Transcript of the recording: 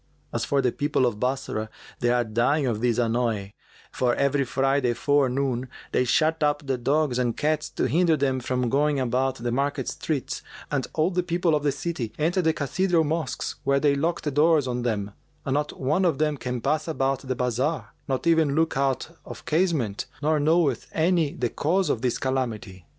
As for the people of Bassorah they are dying of this annoy; for every Friday forenoon they shut up the dogs and cats, to hinder them from going about the market streets, and all the people of the city enter the cathedral mosques, where they lock the doors on them[FN#399] and not one of them can pass about the bazar nor even look out of casement; nor knoweth any the cause of this calamity.